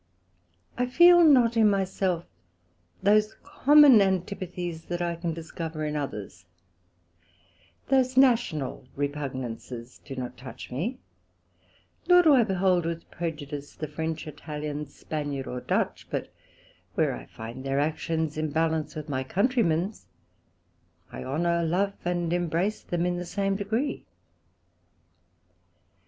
I feel not in my self those common Antipathies that I can discover in others: Those National repugnances do not touch me, nor do I behold with prejudice the French, Italian, Spaniard, or Dutch; but where I find their actions in balance with my Country men's, I honour, love, and embrace them in the same degree.